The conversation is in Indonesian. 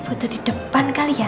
ah foto di depan kali ya